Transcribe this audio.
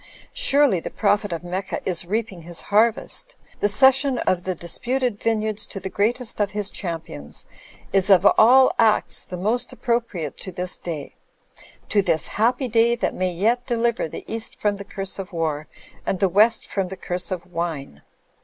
Surely the prophet of Mecca is reaping his harvest; the ces sion of the disputed vineyards to the greatest of his champions is of all acts the most appropriate to this day ; to this happy day that may yet deliver the East from the curse of war and the West from the curse of wine.